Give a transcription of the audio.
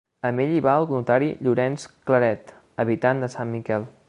Amb ell hi va el notari Llorenç Claret, habitant de Sant Miquel.